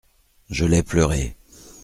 Je l'ai pleuré.